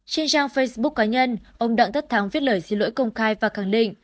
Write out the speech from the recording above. trên trang facebook cá nhân ông đặng tất thắng viết lời xin lỗi công khai và khẳng định